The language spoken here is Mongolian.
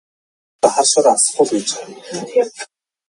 Та яагаад намайг та гэж дуудаад байгаа юм бэ?